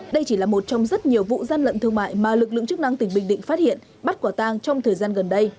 đây chỉ là một trong rất nhiều vụ gian lận thương mại mà lực lượng chức năng tỉnh bình định phát hiện bắt quả tang trong thời gian gần đây